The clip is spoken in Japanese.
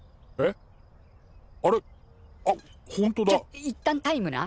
ちょっいったんタイムな。